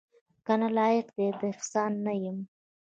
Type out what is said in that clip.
کنه لایق دې د احسان نه یمه